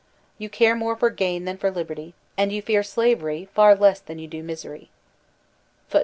You care more for gain than for liberty, and you fear slavery far less than you do misery. What!